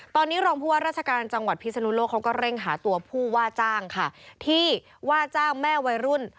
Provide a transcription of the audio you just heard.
ตอนนี้รองผู้ว่าราชการจังหวัดพิศนุโลกเขาก็เร่งหาตัวผู้ว่าจ้างค่ะที่ว่าจ้างแม่วัยรุ่น